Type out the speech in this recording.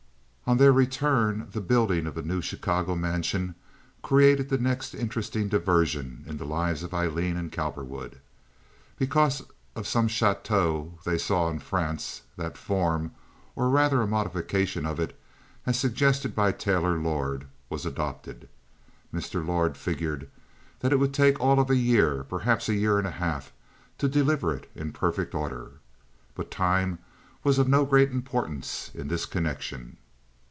On their return, the building of the new Chicago mansion created the next interesting diversion in the lives of Aileen and Cowperwood. Because of some chateaux they saw in France that form, or rather a modification of it as suggested by Taylor Lord, was adopted. Mr. Lord figured that it would take all of a year, perhaps a year and a half, to deliver it in perfect order, but time was of no great importance in this connection.